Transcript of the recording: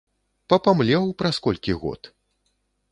Папамлеў праз колькі год!